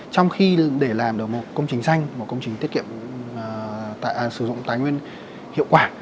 trong khi để làm được một công trình xanh một công trình tiết kiệm sử dụng tài nguyên hiệu quả